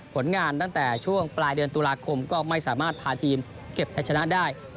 ผลงานตั้งแต่ช่วงปลายเดือนตุลาคมก็ไม่สามารถพาทีมเก็บใช้ชนะได้